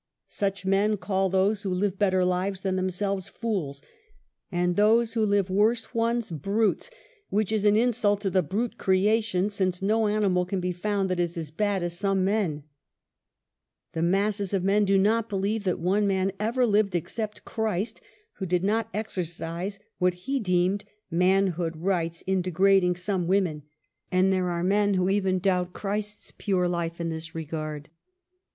Such men call those INTRODUCTION. 5 who live better lives than themselves, fools, and those who live worse ones, brutes, which is an insult to the brute creation, since no animal can be found that is as bad as some men. The masses of men do not believe that one man ever lived, except Christ, who did not exercise what he deemed "manhood rights in degrading some woman," and there are men who even doubt Christ's pure life in this regard.